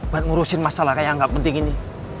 buat ngurusin masalah kayak yang gak penting ini